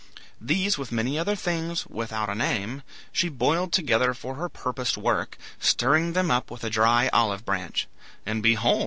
These with many other things "without a name" she boiled together for her purposed work, stirring them up with a dry olive branch; and behold!